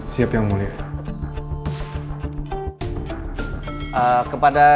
siap yang mulia